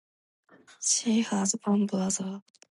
She has one brother.